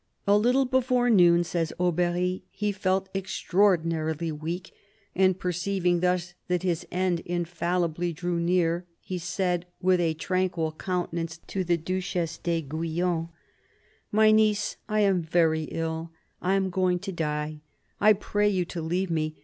" A little before noon," says Aubery, " he felt extra ordinarily weak, and perceiving thus that his end infalhbly drew near, he said, with a tranquil countenance, to the Duchesse d'Aiguillon :' My niece, I am very ill ; I am going to die ; I pray you to leave me.